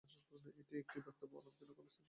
এটি একটি দাতব্য, অলাভজনক ও অরাজনৈতিক সংস্থা।